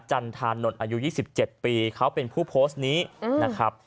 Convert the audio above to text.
จันทานนท์อายุ๒๗ปีเขาเป็นผู้โพสต์นี้นะครับ